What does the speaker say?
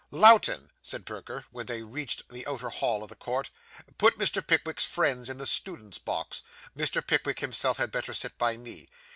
'Lowten,' said Perker, when they reached the outer hall of the court, 'put Mr. Pickwick's friends in the students' box; Mr. Pickwick himself had better sit by me.